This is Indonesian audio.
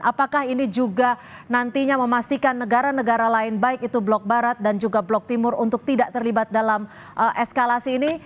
apakah ini juga nantinya memastikan negara negara lain baik itu blok barat dan juga blok timur untuk tidak terlibat dalam eskalasi ini